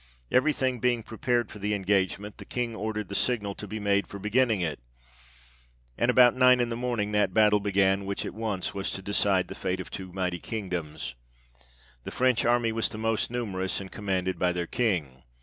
Every thing being prepared for the engagement, the King ordered the signal to be made for DECISIVE BATTLE NEAR ALENgON. 57 beginning it, and about nine in the morning that battle began which was at once to decide the fate of two mighty kingdoms. The French army was the most numerous ; and commanded by their King.